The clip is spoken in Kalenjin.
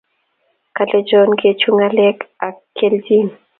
kale John kechu ngalek ab kilchin